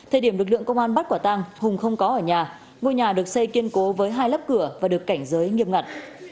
hùng không có ở nhà ngôi nhà được xây kiên cố với hai lấp cửa và được cảnh giới nghiêm ngặt